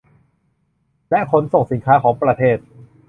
และขนส่งสินค้าของประเทศ